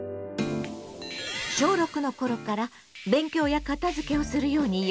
小６の頃から勉強や片づけをするように言うと。